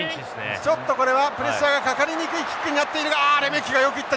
ちょっとこれはプレッシャーがかかりにくいキックになっているがあレメキがよく行った。